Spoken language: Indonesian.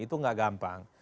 itu tidak gampang